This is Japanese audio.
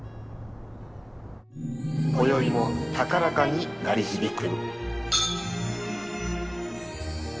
こよいも高らかに鳴り響く。